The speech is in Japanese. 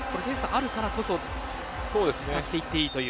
あるからこそ使っていっていいという。